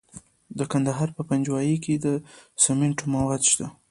د کندهار په پنجوايي کې د سمنټو مواد شته.